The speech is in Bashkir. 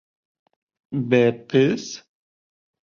— Бә-әпес?!